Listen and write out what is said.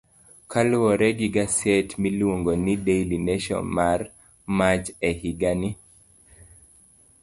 Kaluwore gi gaset miluongo ni Daily Nation mar Mach , e higani.